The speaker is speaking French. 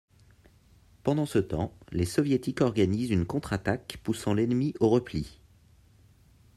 Pendant ce temps, les soviétiques organisent une contre-attaque poussant l'ennemi au repli.